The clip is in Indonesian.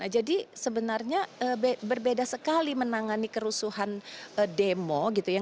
jadi sebenarnya berbeda sekali menangani kerusuhan demo gitu ya